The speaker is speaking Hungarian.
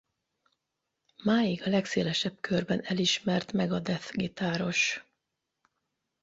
Máig a legszélesebb körben elismert Megadeth gitáros.